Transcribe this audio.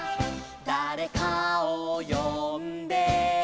「だれかをよんで」